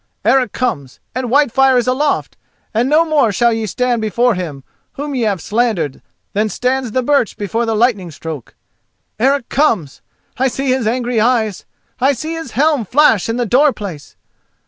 Eric comes and Whitefire is aloft, and no more shall ye stand before him whom ye have slandered than stands the birch before the lightning stroke! Eric comes! I see his angry eyes—I see his helm flash in the door place!